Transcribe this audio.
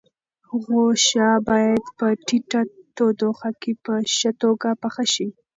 غوښه باید په ټیټه تودوخه کې په ښه توګه پخه شي.